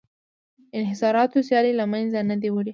انحصاراتو سیالي له منځه نه ده وړې